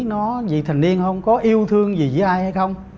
nó gì thành niên không có yêu thương gì với ai hay không